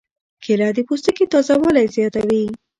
کېله د پوستکي تازه والی زیاتوي.